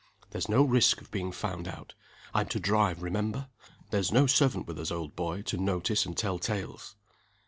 There's no risk of being found out. I'm to drive, remember! There's no servant with us, old boy, to notice, and tell tales."